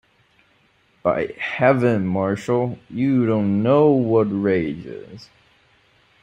By Heaven, Marshall, you don't know what rage is!